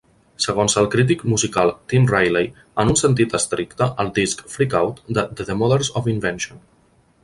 Segons el crític musical Tim Riley, "En un sentit estricte, el disc "Freak Out!" de The Mothers of Invention"